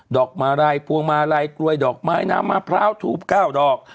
อกมาลัยพวงมาลัยกลวยดอกไม้น้ำมะพร้าวทูบ๙ดอก